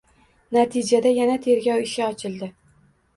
Natijada yana tergov ishi ochildi